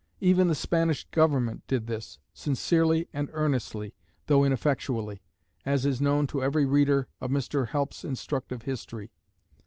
Even the Spanish government did this, sincerely and earnestly, though ineffectually, as is known to every reader of Mr. Helps' instructive history.